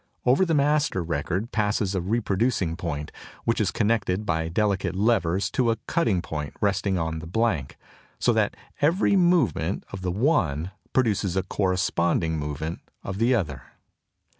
Over the "master" record passes a reproducing point, which is connected by delicate levers to a cutting point resting on the "blank," so that every movement of the one produces a corresponding movement of the other.